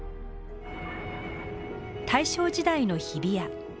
大正時代の日比谷。